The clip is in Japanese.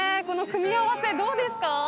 この組み合わせどうですか？